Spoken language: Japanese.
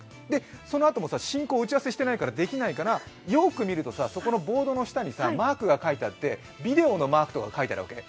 そのあとも、進行を打ち合わせしてないから、できないからよく見ると、そこのボードの下にマークが書いてあってビデオのマークが書いてあるわけね。